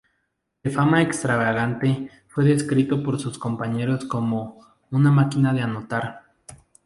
De fama extravagante, fue descrito por sus compañeros como una "máquina de anotar".